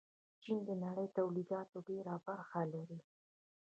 چین د نړۍ تولیداتو ډېره برخه لري.